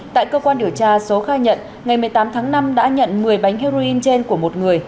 tại cơ quan điều tra số khai nhận ngày một mươi tám tháng năm đã nhận một mươi bánh heroin trên của một người